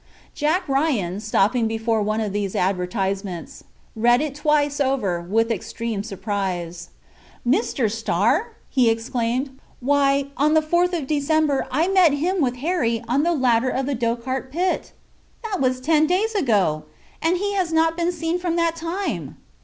Jack Ryan, stopping before one of these advertisements, read it twice over, with extreme surprise. "Mr. Starr!" he exclaimed. "Why, on the 4th of December I met him with Harry on the ladder of the Dochart pit! That was ten days ago! And he has not been seen from that time!